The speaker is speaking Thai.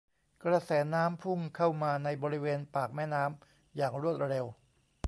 กระแสน้ำพุ่งเข้ามาในบริเวณปากแม่น้ำอย่างรวดเร็ว